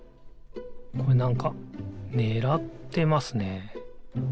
これなんかねらってますね。